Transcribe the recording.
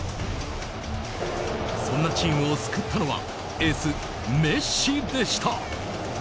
そんなチームを救ったのはエース、メッシでした。